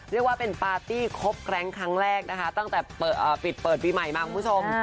เรียกว่าเป็นปาร์ตี้ครบแก๊งครั้งแรกนะคะตั้งแต่ปิดเปิดปีใหม่มาคุณผู้ชม